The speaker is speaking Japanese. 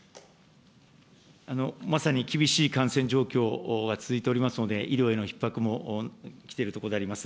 まさに厳しい感染状況が続いておりますので、医療へのひっ迫もきているところであります。